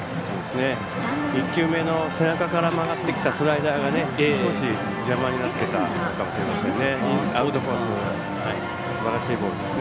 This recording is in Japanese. １球目の背中から曲がってきたスライダーが、少し邪魔になっていたかもしれないですね。